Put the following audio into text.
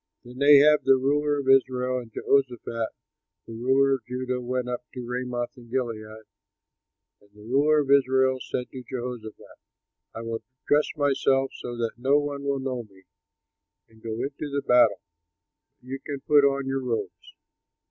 Then Ahab, the ruler of Israel, and Jehoshaphat, the ruler of Judah, went up to Ramoth in Gilead. And the ruler of Israel said to Jehoshaphat, "I will dress myself so that no one will know me, and go into the battle, but you can put on your robes."